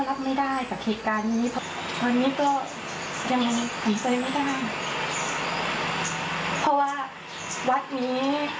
แล้วก็บ้านที่นี่ก็คือรักให้